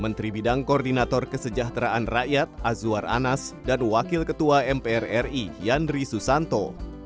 menteri bidang koordinator kesejahteraan rakyat azwar anas dan wakil ketua mpr ri yandri susanto